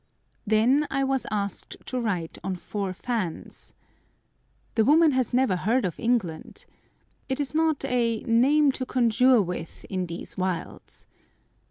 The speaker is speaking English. Then I was asked to write on four fans. The woman has never heard of England. It is not "a name to conjure with" in these wilds.